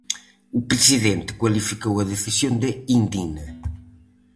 O presidente cualificou a decisión de "indigna".